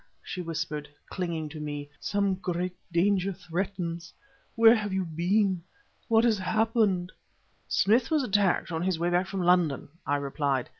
she whispered, clinging to me. "Some great danger threatens. Where have you been? what has happened?" "Smith was attacked on his way back from London," I replied.